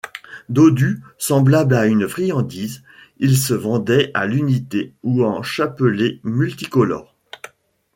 Dodu, semblable à une friandise, il se vendait à l’unité ou en chapelets multicolores.